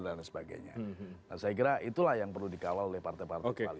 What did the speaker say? nah saya kira itulah yang perlu dikawal oleh partai partai